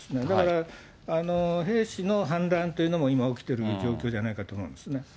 だから、兵士の反乱というのも今、起きている状況じゃないかと思うんですね。